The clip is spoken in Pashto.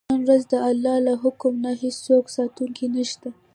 نن ورځ د الله له حکم نه هېڅوک ساتونکی نه شته.